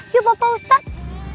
yuk opa ustadz